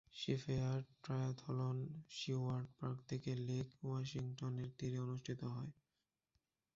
সিফেয়ার triathlon Seward park থেকে lake ওয়াশিংটনের তীরে অনুষ্ঠিত হয়।